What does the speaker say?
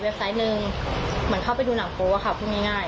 ไซต์หนึ่งเหมือนเข้าไปดูหนังโป๊อะค่ะพูดง่าย